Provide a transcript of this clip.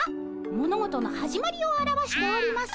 物事の始まりを表しております。